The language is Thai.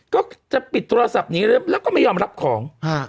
ก็จะปิดโทรศัพท์นี้แล้วก็ไม่ยอมรับของ